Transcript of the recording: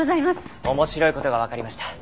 面白い事がわかりました。